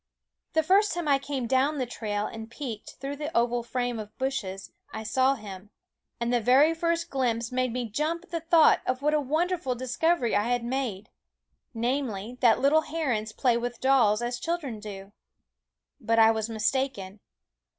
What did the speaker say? The first time I came down the trail and peeked through the oval frame of bushes, I saw him ; and the very first glimpse made me jump at the thought of what a wonderful discovery I had made, namely, that little herons play with dolls, as children do. But I was mistaken.